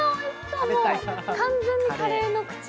もう完全にカレーの口。